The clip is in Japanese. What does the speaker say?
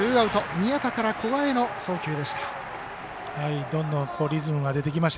宮田から古閑への送球でした。